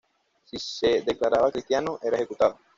Si se declaraba cristiano, era ejecutado.